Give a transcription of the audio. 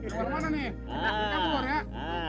jangan kemana mana nih